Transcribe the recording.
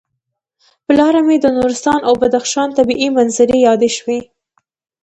پر لاره مې د نورستان او بدخشان طبعي منظرې یادې شوې.